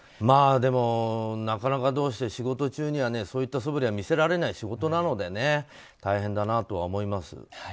でも、なかなかどうして仕事中にはそんなそぶりは見せられない仕事なので大変だなとは思います。